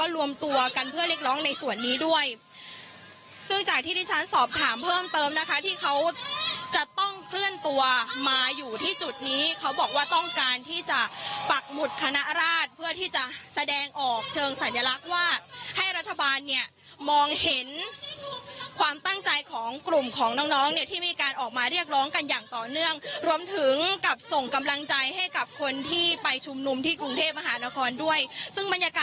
รวมตัวกันเพื่อเรียกร้องในส่วนนี้ด้วยซึ่งจากที่ที่ฉันสอบถามเพิ่มเติมนะคะที่เขาจะต้องเคลื่อนตัวมาอยู่ที่จุดนี้เขาบอกว่าต้องการที่จะปักหมุดคณะราชเพื่อที่จะแสดงออกเชิงสัญลักษณ์ว่าให้รัฐบาลเนี่ยมองเห็นความตั้งใจของกลุ่มของน้องน้องเนี่ยที่มีการออกมาเรียกร้องกันอย่างต่อเนื่องรวมถึงกับส่